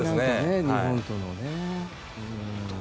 日本とのね。